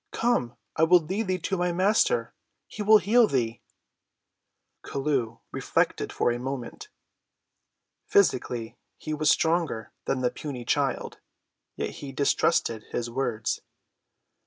Come, I will lead thee to my Master. He will heal thee." Chelluh reflected for a moment. Physically he was stronger than the puny child. Yet he distrusted his words.